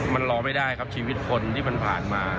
มันรอไม่ได้ครับชีวิตคนที่มันผ่านมา